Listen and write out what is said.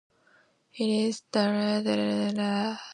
It is the lead single in their third extended play "Oneiric Diary".